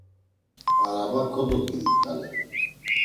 Araba kododginit gela.